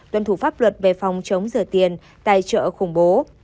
tuân thủ pháp luật về phòng chống rửa tiền tài trợ khủng bố